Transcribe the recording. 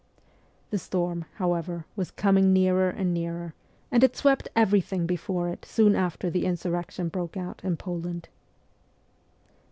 The storm, however, was coming nearer and nearer, and it swept everything before it soon after the insurrection broke out in Poland.